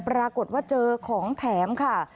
ปรากฏว่าเจอของแถมค่ะ